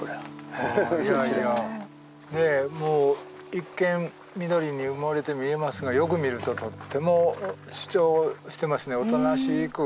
ねえもう一見緑に埋もれて見えますがよく見るととっても主張してますねおとなしく。